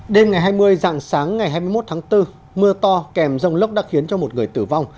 đêm ngày hai mươi dạng sáng ngày hai mươi một tháng bốn mưa to kèm rông lốc đã khiến cho một người tử vong